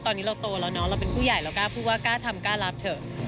ตอนนี้เราโตแล้วเนาะเราเป็นผู้ใหญ่เรากล้าพูดว่ากล้าทำกล้ารับเถอะ